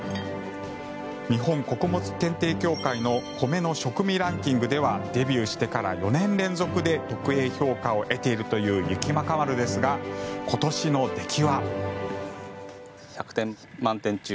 日本穀物検定協会の米の食味ランキングではデビューしてから４年連続で特Ａ評価を得ているという雪若丸ですが今年の出来は。